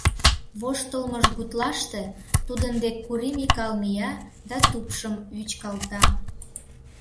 Воштылмыж гутлаште тудын дек Кури Микал мия да тупшым вӱчкалта.